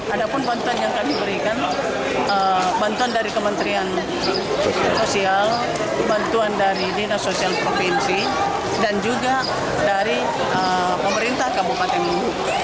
ada pun bantuan yang kami berikan bantuan dari kementerian sosial bantuan dari dinas sosial provinsi dan juga dari pemerintah kabupaten luhu